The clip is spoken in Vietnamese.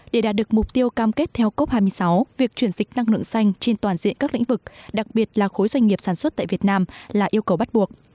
để đạt được mục tiêu cam kết theo cốc hai mươi sáu việc chuyển dịch năng lượng xanh trên toàn diện các lĩnh vực đặc biệt là khối doanh nghiệp sản xuất tại việt nam là yêu cầu bắt buộc